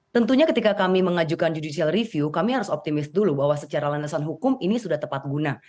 tentunya ketika kami mengajukan judicial review kami harus optimis dulu bahwa secara landasan hukum ini sudah tepat guna